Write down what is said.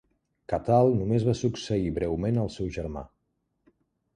Cathal només va succeir breument al seu germà.